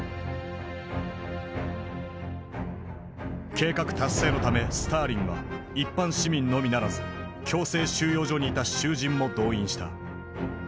計画達成のためスターリンは一般市民のみならず強制収容所にいた囚人も動員した。